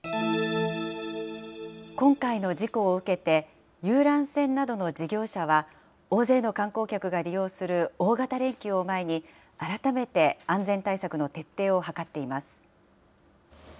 今回の事故を受けて、遊覧船などの事業者は、大勢の観光客が利用する大型連休を前に、改めて安全対策の徹底を図っています。